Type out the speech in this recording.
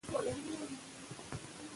دا موږ ته د ویاړ او خوشحالۍ ځای دی.